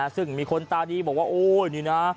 ซึ่งมีคนตาดีบอกว่าโอ๊ยนี่นะ